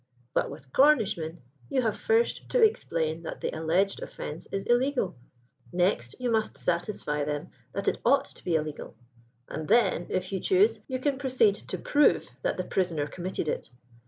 But with Cornishmen you have first to explain that the alleged offence is illegal; next, you must satisfy them that it ought to be illegal; and then, if you choose, you can proceed to prove that the prisoner committed it.